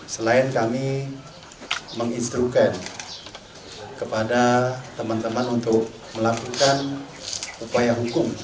selain kami menginstrukan kepada teman teman untuk melakukan upaya hukum